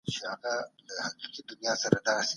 پلار دی راغی